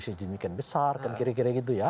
sejumlah besar kira kira gitu ya